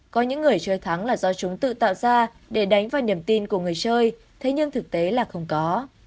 có những người chơi thắng là do chúng tự tạo ra để đánh vào niềm tin của người chơi thế nhưng thực tế là không có